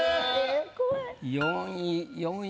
４位４位。